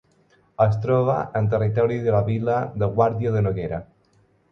Es troba en territori de la vila de Guàrdia de Noguera.